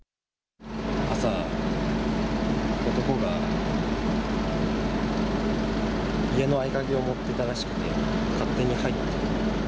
朝、男が家の合鍵を持ってたらしくて、勝手に入って。